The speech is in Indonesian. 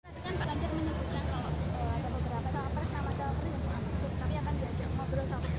tapi kan pak lanjir menyebutkan kalau ada beberapa cowok pers nama cowok pers yang sudah masuk